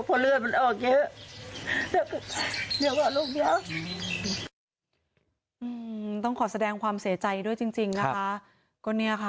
เพราะเลือดมันออกเยอะเดี๋ยวก่อนลูกเยอะอืมต้องขอแสดงความเสียใจด้วยจริงจริง